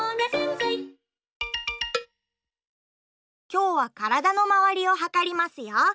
きょうはからだのまわりをはかりますよ。